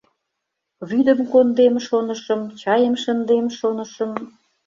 Вӱдым кондем, шонышым, чайым шындем, шонышым